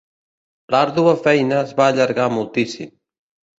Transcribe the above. L'àrdua feina es va allargar moltíssim.